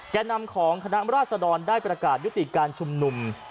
แก่นำของคณะราชดรได้ประกาศยุติการชุมนุม